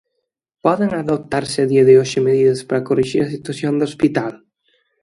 Poden adoptarse a día de hoxe medidas para corrixir a situación do hospital?